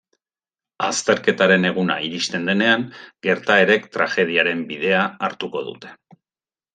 Azterketaren eguna iristen denean, gertaerek tragediaren bidea hartuko dute...